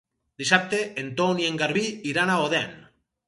Dissabte en Ton i en Garbí iran a Odèn.